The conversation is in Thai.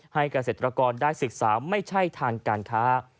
เกษตรกรได้ศึกษาไม่ใช่ทางการค้า